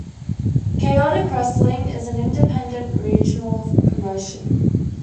Chaotic Wrestling is an independent regional promotion.